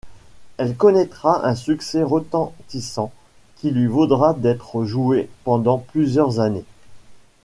Elle connaîtra un succès retentissant qui lui vaudra d’être jouée pendant plusieurs années.